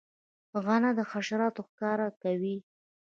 غڼه د حشراتو ښکار کوي